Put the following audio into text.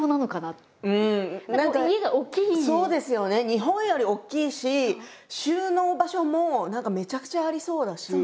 日本より大きいし収納場所も何かめちゃくちゃありそうだし。